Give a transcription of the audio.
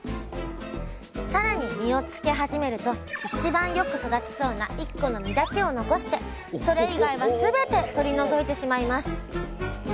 更に実をつけ始めると一番よく育ちそうな一個の実だけを残してそれ以外は全て取り除いてしまいます。